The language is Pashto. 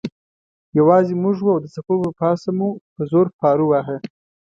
یوازې موږ وو او د څپو پر پاسه مو په زور پارو واهه.